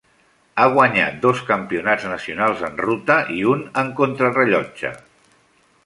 Ha guanyat dos campionats nacionals en ruta i un en contrarellotge.